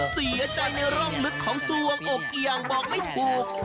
สีใจในร่องลึกของซวมอกอย่างบอกไม่ถูก